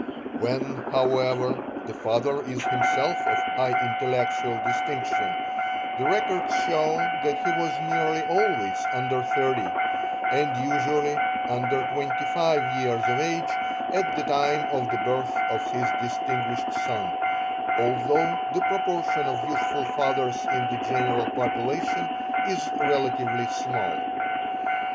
When, however, the father is himself of high intellectual distinction, the records show that he was nearly always under thirty, and usually under twenty five years of age at the time of the birth of his distinguished son, although the proportion of youthful fathers in the general population is relatively small.